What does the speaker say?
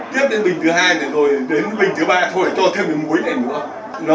tiếp đến bình thứ hai rồi đến bình thứ ba thôi cho thêm mùi này nữa